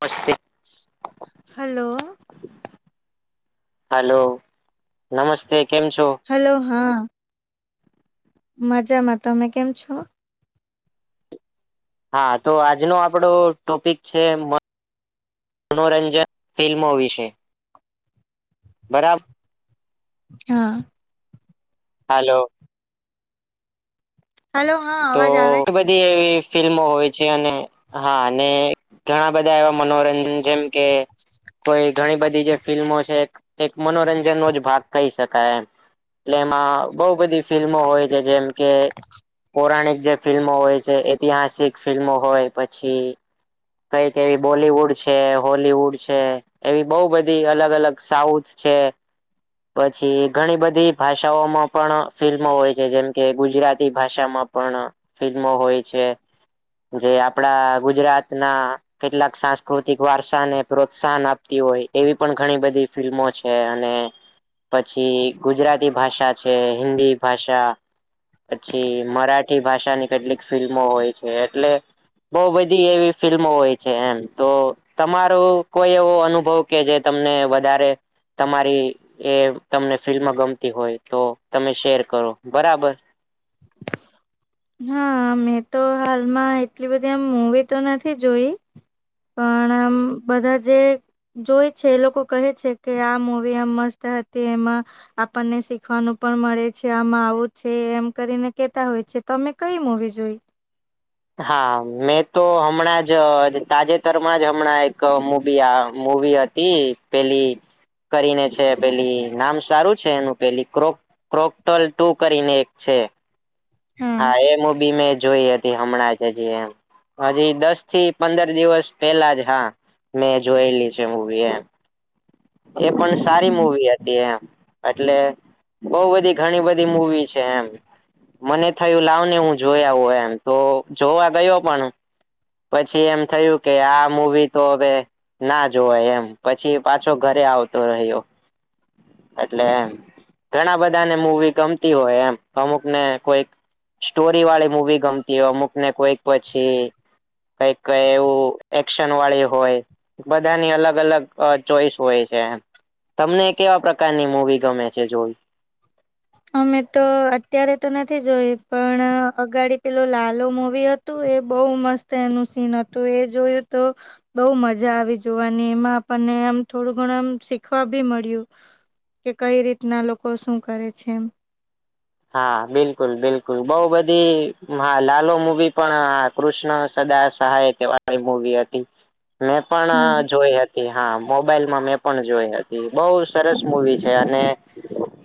બાકી? Hello. Hello નમસ્તે કેમ છો? હલો હા મજામાં. તમે કેમ છો? હા તો આજનો આપણો ટોપિક છે. મ મનોરંજન ફિલ્મો વિશે. બરાબ હા હાલો હલો હા તો અવાજ આવે ઘણી છે. બધી એવી ફિલ્મો હોય છે. અને હા ને ઘણા બધા એવા મનોરંજન જેમ કે કોઈ ઘણી બધી જે ફિલ્મો છે. એક એક મનોરંજનનો જ ભાગ કહી શકાય એમ. એટલે એમાં બહુ બધી ફિલ્મો હોય છે. જેમ કે પૌરાણિક જે ફિલ્મો હોય છે. ઐતિહાસિક ફિલ્મો હોય પછી કંઈક એવી બોલીવુડ છે હોલીવુડ છે. એવી બઉ બધી અલગ અલગ સાઉથ છે. પછી ઘણી બધી ભાષાઓમાં પણ ફિલ્મો હોય છે. જેમ કે ગુજરાતી ભાષામાં પણ ફિલ્મો હોય છે. જે આપડા ગુજરાતના કેટલાક સાંસ્કૃતિક વારસાને પ્રોત્સાહન આપતી હોય એવી પણ ઘણી બધી ફિલ્મો છે. અને પછી ગુજરાતી ભાષા છે, હિન્દી ભાષા છી. મરાઠી ભાષાની કેટલીક ફિલ્મો હોય છે. એટલે બહુ બધી એવી ફિલ્મો હોય છે એમ. તો તમારો કોઈ એવો અનુભવ કે જે તમને વધારે તમારી એ તમને ફિલ્મ ગમતી હોય તો તમે શેર કરો બરાબર. હા મેં તો હાલમાં એટલી બધી એમ મુવી તો નથી જોઈ. પણ આમ બધા જે જોવે છે એ લોકો કહે છે કે આ મુવી આમ મસ્ત હતી. એમાં આપણને શીખવાનું પણ મળે છે આમાં આવું છે, એમ કરીને કેતા હોય છે. તમે કઈ મૂવી જોઈ? હા મેં તો હમણાં જ અ તાજેતરમાં જ હમણાં એક મુબી આ મુવી અત ઈ પેલી કરીને છે પેલી નામ સારું છે એનું પેલી ક્રોક ક્રોકટલ ટુ કરીને એક છે. હા એ મુબી મેં જોઈ હતી હમણાં જજી એમ હજી દસથી પંદર દિવસ પેલા જ હા મેં જોયેલી છે મુવી એમ. એ પણ સારી મૂવી હતી એમ. એટલે બહુ બધી ઘણી બધી મુવી છે એમ. મને થયું લાવ ને હું જોઈ આવું એમ તો જોવા ગયો પણ પછી એમ થયું કે આ મુવી તો અવે ના જોવાય એમ પછી પાછી. છો ઘરે આવતો રહ્યો. એટલે એમ ઘણા બધાને મૂવી ગમતી હોય એમ અમુક ને કોઈક. સ્ટોરી વાળી મૂવી ગમતી હો અમુકને કોઈક પછી. કઈક એવું એક્શન વાળી હોય. બધાની અલગ અલગ ચોઈસ હોય છે એમ. તમને કેવા પ્રકારની મુવી ગમે છે જોઈ. અમે તો અત્યારે તો નથી જોઈ પણ અગાડી પેલો લાલો મુવી હતો. તું એ બહુ મસ્ત એનું સીન હતું એ જોયું તો. બઉુ મજા આવી જોવાની એમાં આપણને આમ થોડું ઘણું આમ શીખવા ભી મળ્યું. કે કઈ રીતના લોકો શું કરે છે એમ હા બિલકુલ બિલકુલ બોઉ બધી મહા લાલો મુવી પણ આ કૃષ્ણ સદા સહાય તે વાળી મુવી હતી મેં હા પણ જોઈ હત તીહા મોબાઈલમાં મેં પણ જોઈ હતી બઉ સરસ મુવી છે અને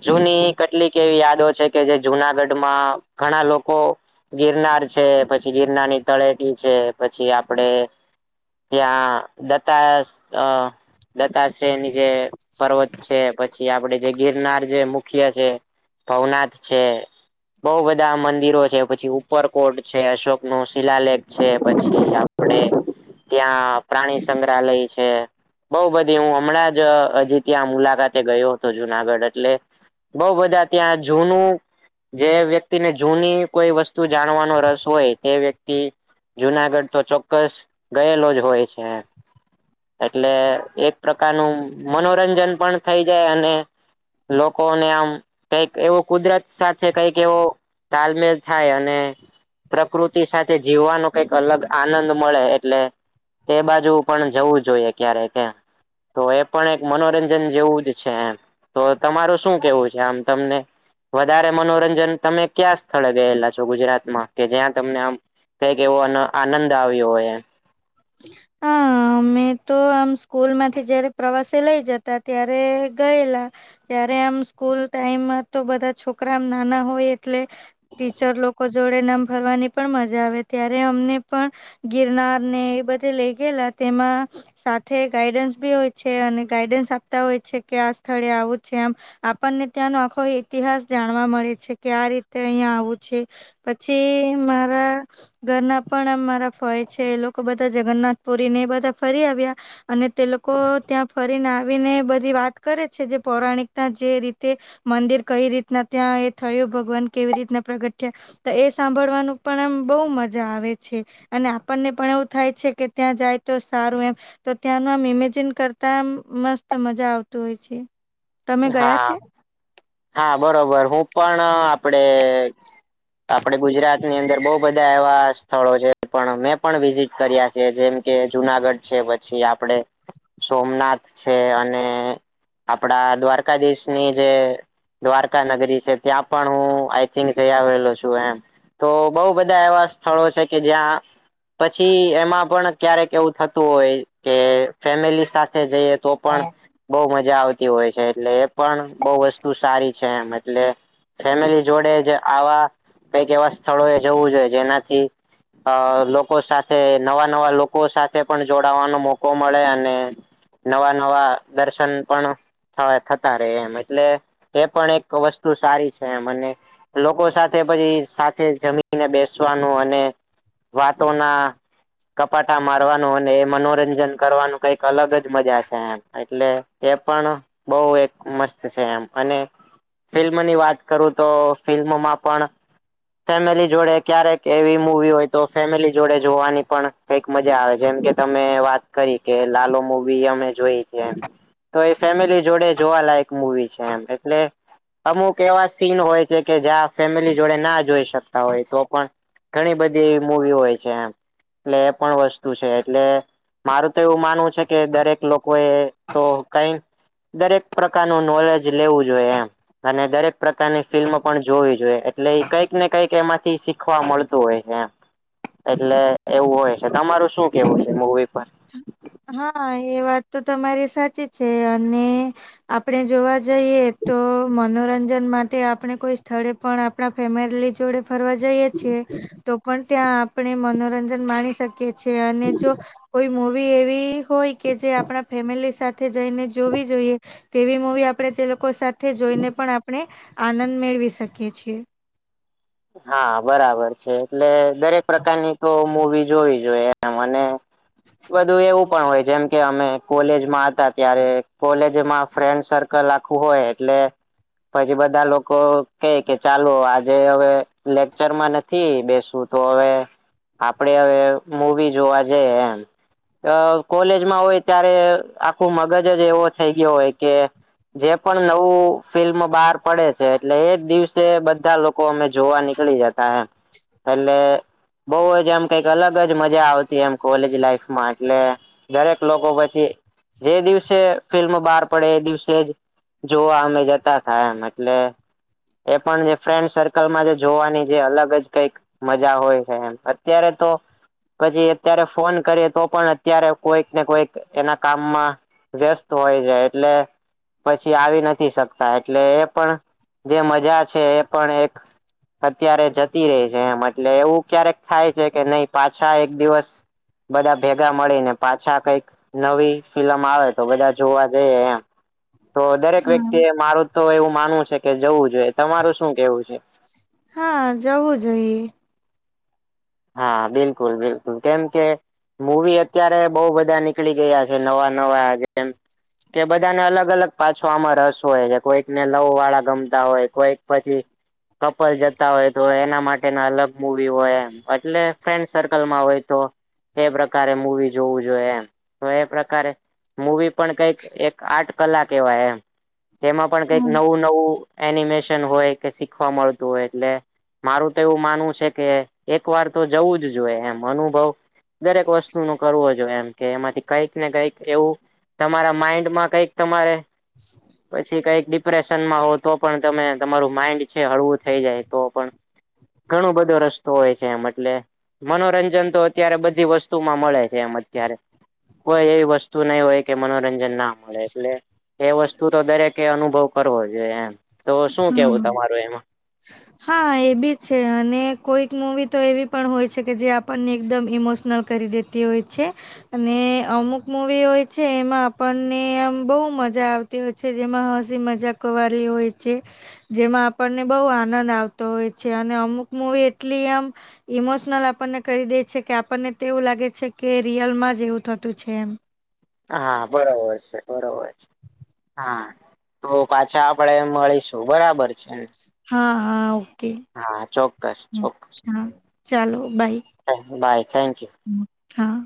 જૂની કેટલીક એવી યાદો છે કે જે જુનાગઢ માં ઘણા લોકો. ગિરનાર છે પછી ગિરનારની તળેટી છે પછી આપડે. ત્યાં દત્તાસ્ત અ દત્તાશ્રેય ની જે પર્વત છે પછી આપડે જે. ગિરનાર જે મુખ્ય છે ભવનાથ છે. બઉ બધા મંદિરો છે પછી ઉપર કોટ છે અશોકનું શિલાલેખ છે પછી. પડે ત્યાં પ્રાણી સંગ્રહાલય છે. બઉ બધી હું હમણાં જ અજી ત્યાં મુલાકાતે ગયો હતો જુનાગઢ એટલે બઉ બધા ત્યાં જુનું. જે વ્યક્તિને જૂની કોઈ વસ્તુ જાણવાનો રસ હોય એ વ્યક્તિ. જુનાગઢ તો ચોક્કસ ગયેલો જ હોય છે. એટલે એક પ્રકારનું મનોરંજન પણ થઇ જાય અને. લોકો ને આમ કઈક એવું કુદરતી. સાથે કંઈક એવો તાલમેલ થાય અને. પ્રકૃતિ સાથે જીવવાનો કઈક અલગ આનંદ મળે એટલે. એ બાજુ પણ જવું જોઈએ ક્યારે કે. તો એ પણ એક મનોરંજન જેવું જ છે એમ તો તમારું શું કેવું છે આમ તમને. વધારે મનોરંજન તમે ક્યા સ્થળે ગયેલા છો ગુજરાતમાં કે જ્યાં તમને આમ. કક એવો અને આનંદ આવ્યો હોય. હ મેં તો આમ સ્કૂલ માંથી જયારે. પ્રવાસે લઈ જતા ત્યારે ગયેલા. ત્યારે આમ સ્કૂલ ટાઈમમાં તો બધા છોકરા આમ નાના હોય એટલે. ટીચર લોકો જોડે નામ ફરવાની પણ મજા આવે ત્યારે અમને પણ. ગિરનાર ને એ બધા લઈ ગયેલા તેમાં. સાથે ગાઈડન્સ બી હોય છે અને ગાઈડન્સ આપતા હોય છે કે આ સ્થળે આવું છે આમ. આપણને ત્યાંનો આખો ઈતિહાસ જાણવા મળે છે કે આ રીતે અહિયાં આવું છે. પછી મારા ઘરના પણ આ મારા ફય છે એ લોકો બધા. જગન્નાથ પુરી ને એ બધા ફરી આવ્યા. અને તે લોકો ત્યાં ફરીને આવીને બધી વાત કરે છે જે પૌરાણિકતા જે રીતે. મંદિર કઈ રીતના ત્યાં એ થયું ભગવાન કેવી રીતના પ્રગટયા તો એ સાંભળવાનું પણ એમ બહુ મજા આવે છે અને આપણને પણ એવું થાય છે કે ત્યાં જાય તો સારું એમ તો ત્યાંનું આમ ઇમેજિન કરતા મસ્ત મજા આવત હોય છે. તમે ગયા હા છે હા બરોબર હું પણ. આપડે આપડે ગુજરાતની અંદર બહ બધા એવા. સ્થળો છે પણ મેં પણ વિઝિટ કર્યા છે જેમ કે જુનાગઢ છે પછી આપડે. સોમનાથ છે અને આપડા દ્વારકાધીશની જે. દ્વારકા નગરી છે ત્યાં પણ હું આઈ થિંક જઈ આવેલો છું એમ. તો બઉ બધા એવા સ્થળો છે કે જ્યાં પછી એમાં પણ ક્યારેક એવું થતું હોય કે ફેમિલી સાથે જઈએ તો પણ બહુ મજા આવતી હોય છે એટલે એ પણ બહુ વસ્તુ સારી છે એમ એટલે ફેમિલી જોડે જ આવા કઈક એવા સ્થળો એ જવું જોઈએ જેનાથી અ લોકો સાથે નવા નવા લોકો સાથે પણ જોડાવાનો મોકો મળે અને નવા નવા દર્શન પણ હ થતા રહે એમ એટલે એ પણ એક વસ્તુ સારી છે એમ અને લોકો સાથે પછી સાથે જમીનને બેસવાનું અને વાતોના ગપાટા મારવાનું અને એ મનોરંજન કરવાનું કઈક અલગ જ મજા છે, એમ એટલે એ પણ બહુ એક મસ્ત છે એમ અને ફિલ્મની વાત કરું તો ફિલ્મમાં પણ ફેમિલી જોડે ક્યારેક એવી મુવી હોય તો ફેમિલી જોડે જોવાની પણ એક મજા આવે જેમ કે તમે વાત કરી કે લાલો મુવી અમે જોઈ છે એમ તો એ ફેમિલી જોડે જોવાલાયક મુવી છે એમ એટલે અમુક એવા સીન હોય છે કે જ્યાં ફેમિલી જોડે ના જોઈ શકતા હોય તો પણ ઘણી બધી એવી મુવી હોય છે એમ એટલે એ પણ વસ્તુ છે એટલે મારું તો એવું માનવું છે કે દરેક લોકો એ તો કઈ દરેક પ્રકારનું નોલેજ લેવું જોઈએ એમ અને દરેક પ્રકારની ફિલ્મ પણ જોવી જોઈએ એટલે કંઈક ને કંઈક એમાંથી શીખવા મળતું હોય છે એમ એટલે એવું હોય છે તમારું શું કેવું છે મુવી પર? હા એ વાત તો તમારી સાચી છે અને આપણે જોવા જઈએ તો મનોરંજન માટે આપણે કોઈ સ્થળે પણ આપણા ફેમિલી જોડે ફરવા જઈએ છીએ તો પણ ત્યાં આપણે મનોરંજન માણી શકીએ છીએ અને જો કોઈ મુવી એવી હોય કે જે આપણા ફેમિલી સાથે જઈને જોવી જોઈએ તેવી મૂવી આપણે તે લોકો સાથે જોઈને પણ આપણે આનંદ મેળવી શકીએ છીએ હા બરાબર છે એટલે દરેક પ્રકારની તો મુવી જોવી જોઈએ મને બધું એવું પણ હોય જેમ કે અમે કોલેજમાં હતા ત્યારે કોલેજમાં ફ્રેન્ડ સર કલ આખું હોય એટલે પછી બધા લોકો કે ય કે ચાલો આજે હવે લેક્ચર માં નથી બેસવું તો હવે આપડે હવે મૂવી જોવા જઈએ એમ અ કોલેજમાં હોય ત્યારે આખું મગજ જ એવો થઈ ગયો હોય કે જે પણ નવું ફિલ્મ બહાર પડે છે એટલે એજ દિવસે બધા લોકો અમે જોવા નીકળી જતા એમ પહેલે બઉ જ એમ કઈક અલગ જ મજા આવતી એમ કોલેજ લાઈફમાં એટલે દરેક લોકો પછી જે દિવસે ફિલ્મ બહાર પડે એ દિવસે જ જોવા અમે જતા થા એમ એટલે એ પણ જે ફ્રેન્ક સર કલ માં જોવાની જે અલગ જ કઈક મજા હોય છે એમ અત્યારે તો પછી અત્યારે ફોન કરીએ તો પણ અત્યારે કોઈક ને કોઈક એના કામમાં વ્યસ્ત હોય જાય એટલે પછી આવી નથી શકતા એટલે એ પણ જે મજા છે એ પણ એક અત્યારે જતી રહી છે એમ એટલે એવું ક્યારેક થાય છે કે નહી પાછા એક દિવસ બધા ભેગા મળીને પાછા કઈક નવી ફિલમ આવે તો બધા જોવા જઈએ એમ તો દરેક હા. વ્યક્તિ એ મારું તો એવું માનવું છે કે જવું જોઈએ તમારું શું કેવું છે હા જવું જઈએ હા બિલકુલ બિલકુલ કેમ કે મૂવી અત્યારે બહુ બધા નીકળી ગયા છે નવા નવા જેમ કે બધાને અલગ અલગ પાછો આમાં રસ હોય છે કોઈકને લવ વાળા ગમતા હોય કોઈક પછી કપલ જતા હોય તો એના માટેના અલગ મુૂવી હોય એમ એટલે ફ્રેન્ડ સર્કલમાં હોય તો એ પ્રકારે મૂવી જોવું જોઈએ એમ તો એ પ્રકારે મૂવી પણ કઈક એક આઠ કલાક એવા એમ તેમાં પણ કઈક હા નવું નવું એનિમેશન હોય કે શીખવા મળતું હોય એટલે મારું તો એવું માનવું છે કે એક વાર તો જવું જ જોઈએ એમ અનુભવ દરેક વસ્તુ નું કરવો જોઈએ એમ કે એમાંથી કઈક ને કઈક એવું તમારા માઇન્ડ માં કઈક તમારે [inaudible] પછી કઈક ડિપ્રેશનમાં હોવ તો પણ તમે તમારું માઈન્ડ છે હળવું થઈ જાય તો પણ ઘણું બધો રસ હોય છે એમ એટલે મનોરંજન તો અત્યારે બધી વસ્તુમાં મળે છે એમ અત્યારે કોઈ એવી વસ્તુ નહી હોય કે મનોરંજન ના મળે એટલે એ વસ્તુ તો દરેકે અનુભવ કરવો જોઈએ એમ તો શું કેવું હા. તમારું એમાં હા એ બી છે અને કોઈક મુવી તો એવી પણ હોય છે કે જે આપણને એકદમ ઇમોશનલ કરી દેતી હોય છે. અને અમુક મુવી હોય છે એમાં આપણને આમ બહુ મજા આવતી જેમાં હસી મજાક વાલી હોય છે જેમાં આપણને બવ આનંદ આવતો હોય છે અને અમુક મૂવી એટલી આમ ઈમોશનલ આપણને કરી દે છે કે આપણને તો એવું લાગે છે કે રિયલમાં જ એવું થતું છે એમ હા બરોબર છે બરોબર છે. હા તો પાછા આપડે મળીશું બરાબર છે ને હા હા ઓકે હા ચોક્કસ ચોક્કસ હા ચાલો બાય બાય થેન્ક યુ હા